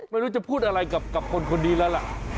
ไม่รู้จะพูดอะไรกับคนนี้แล้วล่ะ